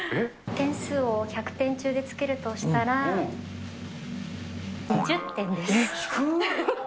点数を１００点中でつけるとしたら、低っ。